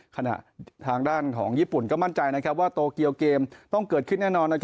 ขณะทางด้านของญี่ปุ่นก็มั่นใจว่าโตเกียวเกมต้องเกิดขึ้นแน่นอน